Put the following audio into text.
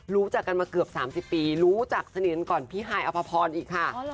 รู้จักกันมาเกือบ๓๐ปีรู้จักสนิทกันก่อนพี่ฮายอภพรอีกค่ะ